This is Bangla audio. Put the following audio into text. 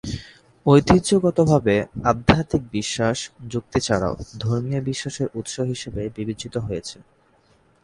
ঐতিহ্যগতভাবে, আধ্যাত্মিক বিশ্বাস, যুক্তি ছাড়াও, ধর্মীয় বিশ্বাসের উৎস হিসাবে বিবেচিত হয়েছে।